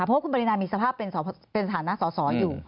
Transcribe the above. เพราะว่าคุณปรินามีสภาพเป็นฐานะสอสออยู่